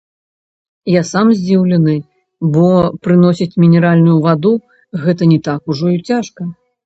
Я сам здзіўлены, бо прыносіць мінеральную ваду гэта не так ужо і цяжка.